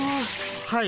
はい。